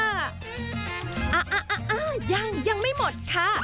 อ่ะยังยังไม่หมดค่ะ